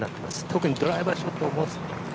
特にドライバーショットを。